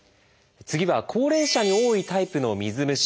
次は高齢者に多いタイプの水虫。